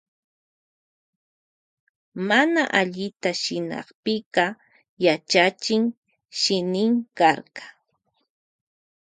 Mana allita shinanpika yachachin shinin karka.